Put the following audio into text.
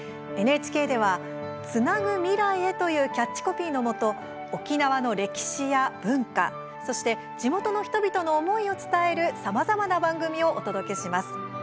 ＮＨＫでは「つなぐ未来へ」というキャッチコピーのもと沖縄の歴史や文化、そして地元の人々の思いを伝えるさまざまな番組をお届けします。